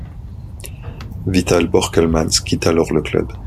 Vital Borkelmans quitte alors le club.